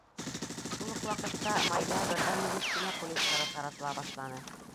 Шул уҡ ваҡытта майҙа берҙәм медицина полистары таратыла башланы.